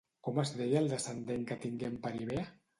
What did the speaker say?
Com es deia el descendent que tingué amb Peribea?